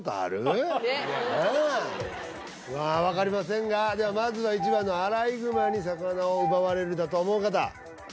ねっなあまあわかりませんがではまずは１番のアライグマに魚を奪われるだと思う方？